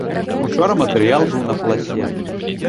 Учора матэрыял быў на паласе.